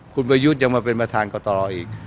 คุณประยุทธ์ยังมาเป็นประธานกตอีก